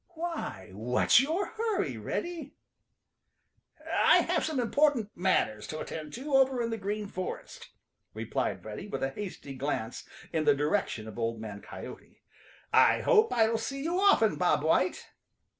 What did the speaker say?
Why, what's your hurry, Reddy?" [Illustration: 0022] "I have some important matters to attend to over in the Green Forest," replied Reddy, with a hasty glance in the direction of Old Man Coyote. "I hope I'll see you often, Bob White."